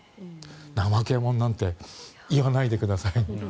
怠け者なんて言わないでください。